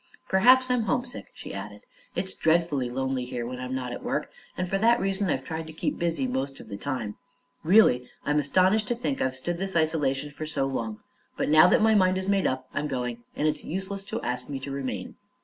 "Perhaps I'm homesick," she added. "It's dreadfully lonely here when I'm not at work, and for that reason I've tried to keep busy most of the time. Really, I'm astonished to think I've stood this isolation so long; but now that my mind is made up, I'm going, and it is useless to ask me to remain."